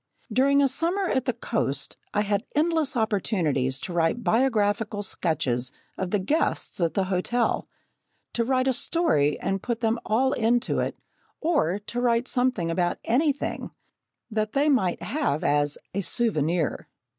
During a summer at the coast, I had endless opportunities to write biographical sketches of the guests at the hotel to write a story and put them all into it, or to write something about anything, that they might have as "a souvenir!"